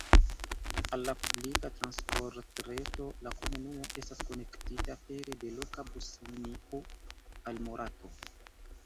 Al la publika transportreto la komunumo estas konektita pere de loka buslinio al Morato.